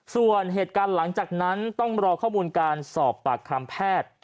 ส่วนเหตุการณ์หลังจากนั้นต้องรอข้อมูลการสอบปากคำแพทย์